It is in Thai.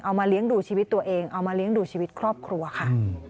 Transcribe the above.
มาเลี้ยงดูชีวิตตัวเองเอามาเลี้ยงดูชีวิตครอบครัวค่ะ